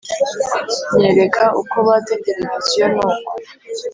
Nyereka uko batsa tereviziyo n uko